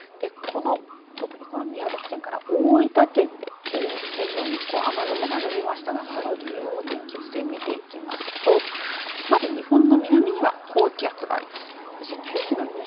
特に宮崎県から大分県で線状に雨雲が伸びましたがその理由を天気図で見ていきますとまず日本の南には高気圧があります。